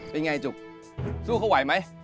เป็นไงจุกสู้เขาไหวไหม